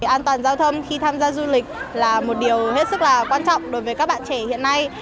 an toàn giao thông khi tham gia du lịch là một điều hết sức là quan trọng đối với các bạn trẻ hiện nay